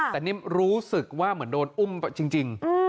แต่นิ่มรู้สึกว่าเหมือนโดนอุ้มจริง